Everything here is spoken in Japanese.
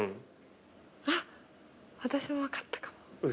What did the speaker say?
あっ私も分かったかも。